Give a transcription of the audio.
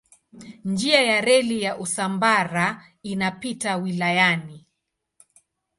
Njia ya reli ya Usambara inapita wilayani.